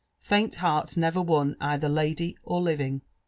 faint heart never won either lady or liviiig."